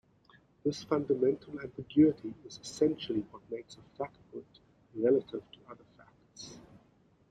This fundamental ambiguity is essentially what makes a fact brute relative to other facts.